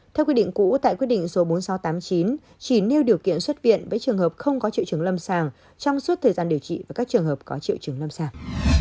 theo quy định cũ tại quyết định số bốn nghìn sáu trăm tám mươi chín chỉ nêu điều kiện xuất viện với trường hợp không có triệu chứng lâm sàng trong suốt thời gian điều trị với các trường hợp có triệu chứng lâm sàng